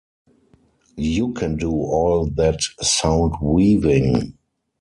You can do all that sound-weaving.